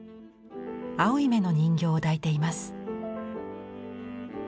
青い目の人形を抱いています。